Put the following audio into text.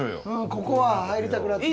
ここは入りたくなってきた。